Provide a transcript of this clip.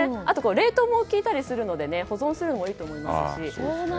あと冷凍もきいたりするので保存するのもいいと思います。